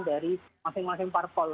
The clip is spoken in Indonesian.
dari masing masing parpol